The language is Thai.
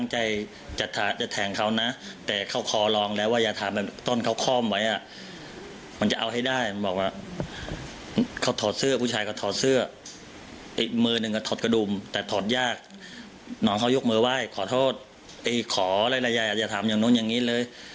หาโทษขออะไรอย่าถามแบบนั้นอย่างนี้เลย